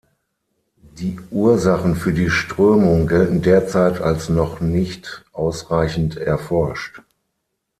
Die Ursachen für die Strömung gelten derzeit als noch nicht ausreichend erforscht.